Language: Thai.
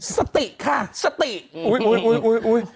สติค่ะสติอุ๊ย